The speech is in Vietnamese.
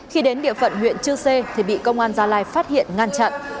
khi đến địa phận huyện chư sê thì bị công an gia lai phát hiện ngăn chặn